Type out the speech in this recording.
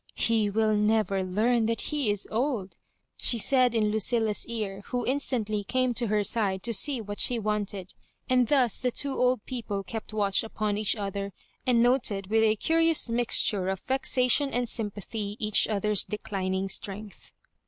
" He will never leam that he is old," she said in Lucilla's ear, who instantly came to her side to see what she wanted ; and thus the two old people kept watch upon each other, and noted with a curious mixture of vexation and sympathy, each other's declining strength.